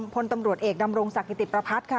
พลตำรวจเอกดำรงศักดิติประพัฒน์ค่ะ